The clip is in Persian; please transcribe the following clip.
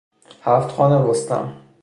هفت خوان رستم